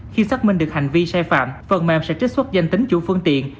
khi xác minh được hành vi sai phạm phần mềm sẽ trích xuất danh tính chủ phương tiện